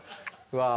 わあ。